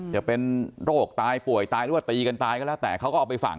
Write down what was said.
จะเป็นโรคตายป่วยตายหรือว่าตีกันตายก็แล้วแต่เขาก็เอาไปฝัง